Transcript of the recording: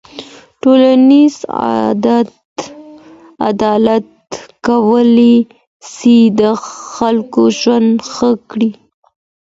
ټولنیز عدالت کولای سي د خلګو ژوند ښه کړي.